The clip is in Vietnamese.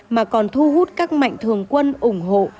mà còn thu hút các mạnh thường quân ủng hộ